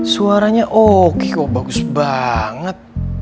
suaranya oke kok bagus banget